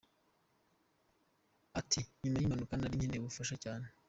Ati “ Nyuma y’impanuka nari nkeneye ubufasha cyane.